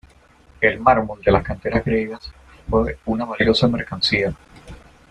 El mármol de las canteras griegas fue una valiosa mercancía.